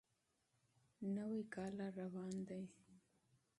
نوی کال را روان دی.